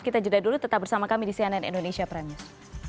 kita jeda dulu tetap bersama kami di cnn indonesia prime news